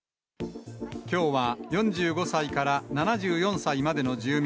きょうは４５歳から７４歳までの住民